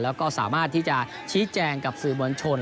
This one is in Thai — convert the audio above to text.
แล้วก็สามารถที่จะชี้แจงกับสื่อมวลชน